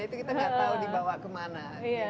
itu kita nggak tahu dibawa kemana